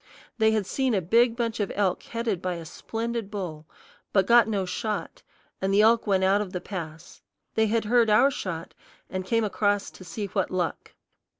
They had seen a big bunch of elk headed by a splendid bull, but got no shot, and the elk went out of the pass. They had heard our shot, and came across to see what luck.